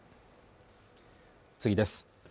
次です